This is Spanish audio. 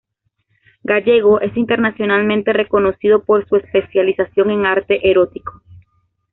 Gallego es internacionalmente reconocido por su especialización en arte erótico.